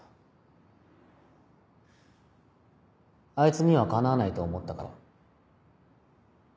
あいつにはかなわないと思ったから。